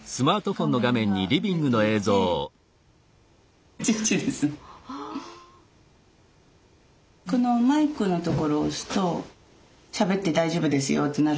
このマイクの所を押すとしゃべって大丈夫ですよってなるんですけど。